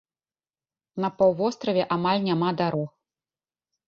На паўвостраве амаль няма дарог.